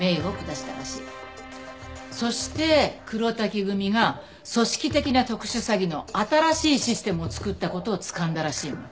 そして黒瀧組が組織的な特殊詐欺の新しいシステムを作った事をつかんだらしいの。